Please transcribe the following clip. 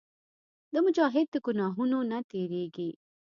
مجاهد د ګناهونو نه تېرېږي.